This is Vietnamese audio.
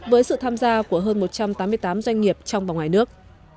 với sự tham gia của hơn một trăm tám mươi tám doanh nghiệp trong và ngoài nước